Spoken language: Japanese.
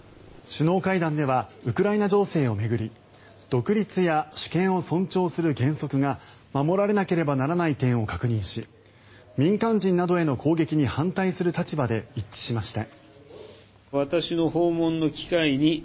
首脳会談ではウクライナ情勢を巡り独立や主権を尊重する原則が守られなければならない点を確認し民間人などへの攻撃に反対する立場で一致しました。